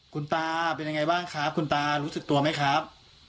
คุณตาเป็นยังไงบ้างครับคุณตารู้สึกตัวไหมครับ